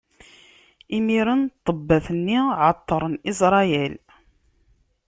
Imiren ṭṭebbat-nni ɛeṭṭren Isṛayil.